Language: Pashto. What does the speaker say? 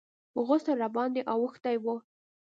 غسل راباندې اوښتى و.